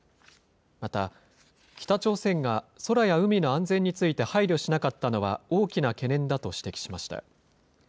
また、北朝鮮が空や海の安全について配慮しなかったのは、大きな懸念だと指摘しました。